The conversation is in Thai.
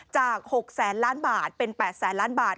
จาก๖๐๐ล้านบาทเป็น๘๐๐ล้านบาท